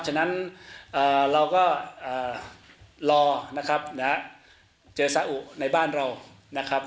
ฉะนั้นเราก็รอนะครับเจอซาอุในบ้านเรานะครับ